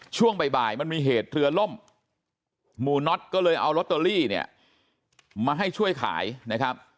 ช่วงบ่ายมันมีเหตุเรือล่มหมู่น็อตก็เลยเอาลอตเตอรี่เนี่ยมาให้ช่วยขายนะครับ